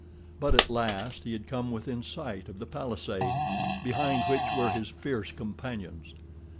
But at last he had come within sight of the palisade behind which were his fierce companions.